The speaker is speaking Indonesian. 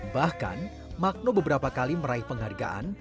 bahkan magno beberapa kali meraih penghargaan